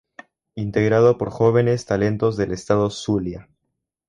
Integrado por jóvenes talentos del estado Zulia.